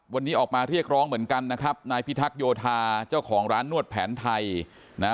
วันนี้ออกมาเรียกร้องเหมือนกันนะครับนายพิทักษ์โยธาเจ้าของร้านนวดแผนไทยนะ